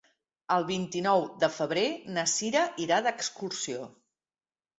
El vint-i-nou de febrer na Sira irà d'excursió.